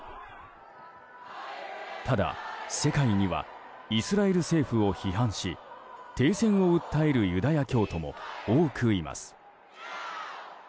ただ、世界にはイスラエル政府を批判し停戦を訴えるユダヤ教徒も多くいます。